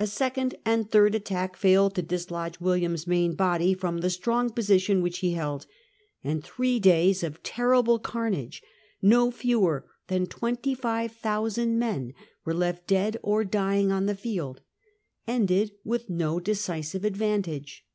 A second and a third attack failed to dislodge William's main body from the strong position which he held ; and three days of terrible carnage — no fewer than 25,000 men were left dead or dying on the field— ended with no decisive advantage.